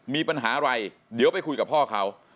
มีปัญหาอะไรเดี๋ยวไปคุยกับพ่อเขา